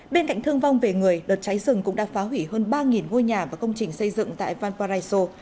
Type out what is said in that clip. bên cạnh thương vong về người đợt cháy rừng cũng đã phá hủy hơn ba ngôi nhà và công trình xây dựng tại valparaiso